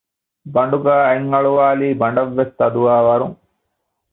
ބަނޑުގައި އަތް އަޅުވާލީ ބަނޑަށްވެސް ތަދުވާ ވަރުން